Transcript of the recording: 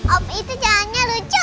om itu jalannya lucu